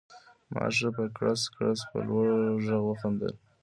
ما ښه په کړس کړس په لوړ غږ وخندل